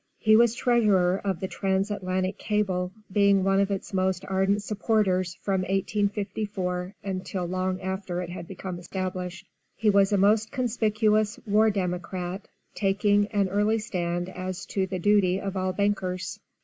He was Treasurer of the Transatlantic Cable, being one of its most ardent supporters from 1854 until long after it had became established. He was a most conspicuous 'War Democrat,' taking an early stand as to the duty of all bankers.